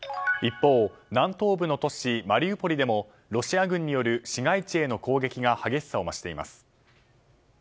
一方、南東部の都市マリウポリでもロシア軍による市街地への攻撃が激しさを増しています。